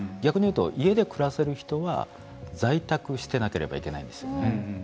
逆に言うと、家で暮らせる人は在宅してなければいけないんですね。